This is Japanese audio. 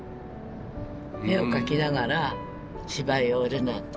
絵を描きながら芝居をやるな」って。